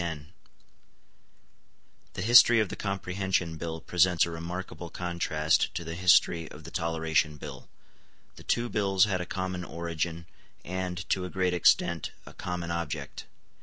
The history of the Comprehension Bill presents a remarkable contrast to the history of the Toleration Bill. The two bills had a common origin, and, to a great extent, a common object.